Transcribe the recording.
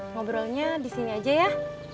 ngobrolnya di sini aja ya